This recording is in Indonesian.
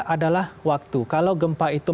adalah waktu kalau gempa itu